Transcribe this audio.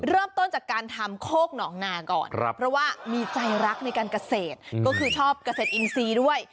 เริ่มต้นจากการทำโคกหนองนาก่อนเพราะว่ามีใจรักในการเกษตรก็คือชอบเกษตรอินทรีย์ด้วย